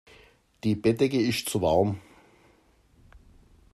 Die Bettdecke ist zu warm.